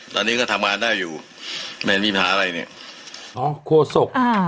ตอนนี้ก็ทำงานได้อยู่ไม่มีปัญหาอะไรเนี่ยอ๋อโฆษกอ่า